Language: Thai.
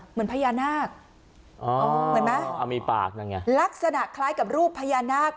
เหมือนพญานาคเหมือนมั้ยลักษณะคล้ายกับรูปพญานาค